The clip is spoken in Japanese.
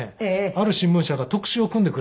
ある新聞社が特集を組んでくれると。